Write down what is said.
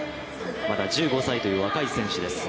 まだ１５歳という若い選手です。